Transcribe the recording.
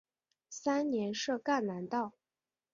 三年设赣南道。